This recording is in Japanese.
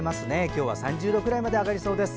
今日は３０度くらいまで上がりそうです。